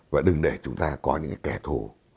và đừng để chúng ta có những cái kẻ thù